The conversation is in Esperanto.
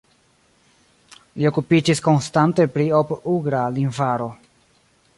Li okupiĝis konstante pri Ob-ugra lingvaro.